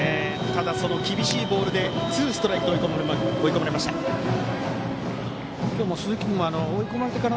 ただ、その厳しいボールでツーストライクと追い込まれました。